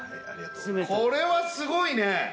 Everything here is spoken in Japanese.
これはすごいね！